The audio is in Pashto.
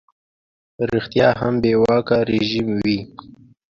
ریشتیا هم بې واکه رژیم وي.